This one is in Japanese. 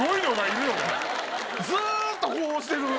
ずっとこうしてる。